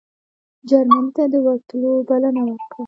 جرمني ته د ورتلو بلنه ورکړه.